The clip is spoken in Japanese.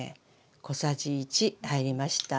小さじ１入りました。